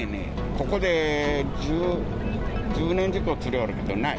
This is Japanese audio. ここで１０年近く釣りよるけど、ない。